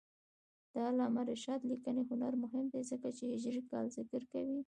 د علامه رشاد لیکنی هنر مهم دی ځکه چې هجري کال ذکر کوي.